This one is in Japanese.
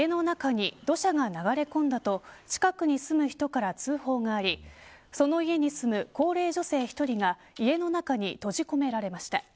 富士町で家の中に土砂が流れ込んだと近くに住む人から通報がありその家に住む高齢女性１人が家の中に閉じ込められました。